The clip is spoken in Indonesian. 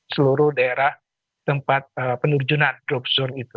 seluruh daerah tempat penerjunan drop zone itu